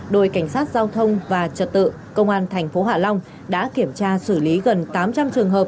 đội cảnh sát giao thông và trật tự công an tp hạ long đã kiểm tra xử lý gần tám trăm linh trường hợp